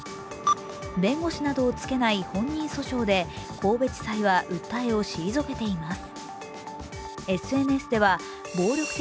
弁護士などをつけない本人訴訟で神戸地裁は訴えを退けています。